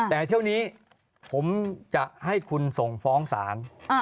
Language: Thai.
แต่เที่ยวนี้ผมจะให้คุณส่งฟ้องศาล